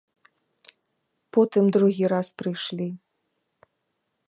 Потым другі раз прыйшлі.